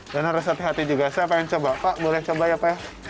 dan harus hati hati juga saya pengen coba pak boleh coba ya pak ya